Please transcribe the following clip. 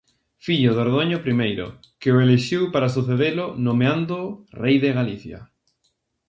Fillo de Ordoño Primeiro, que o elixiu para sucedelo nomeándoo Rei de Galicia.